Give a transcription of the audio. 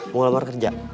mau lebar kerja